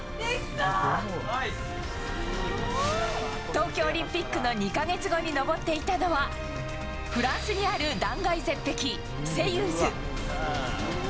東京オリンピックの２か月後に登っていたのは、フランスにある断崖絶壁、セユーズ。